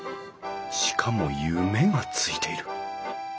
しかも「夢」がついている。